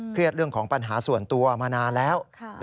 เรื่องของปัญหาส่วนตัวมานานแล้ว